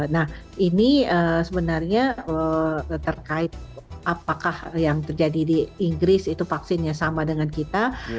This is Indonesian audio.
nah ini sebenarnya terkait apakah yang terjadi di inggris itu vaksinnya sama dengan kita